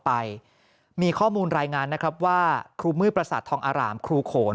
ไปมีข้อมูลรายงานนะครับว่าครูมืดประสาททองอารามครูโขน